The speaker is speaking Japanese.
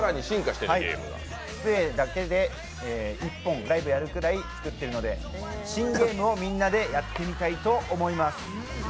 スプレーだけで１本ライブやるぐらい作っているので新ゲームをみんなでやってみたいと思います。